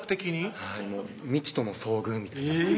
はい未知との遭遇みたいなえぇ